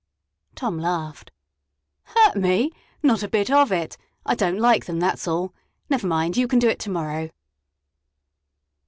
Tom laughed. "Hurt me? Not a bit of it! I don't like them, that's all. Never mind; you can do it to morrow."